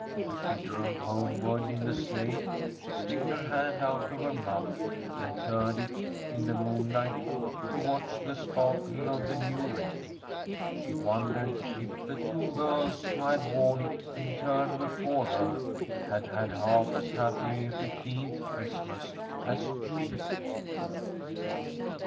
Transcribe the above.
As she drove homeward in the sleigh, she slipped her hand out of her muff, and turned it in the moonlight to watch the sparkle of the new ring. She wondered if the two girls who had worn it in turn before her had had half as happy a fifteenth Christmas as she.